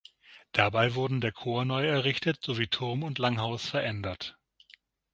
Dabei wurden der Chor neu errichtet sowie Turm und Langhaus verändert.